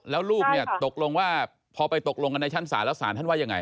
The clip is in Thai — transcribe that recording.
แล้วลูกเนี่ยตกลงว่าพอไปตกลงกันในชั้นศาลแล้วศาลท่านว่ายังไง